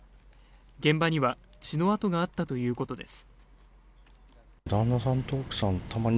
現場には血の痕があったということです